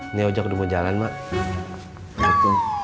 ini aja aku udah mau jalan mak